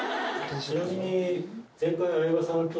ちなみに。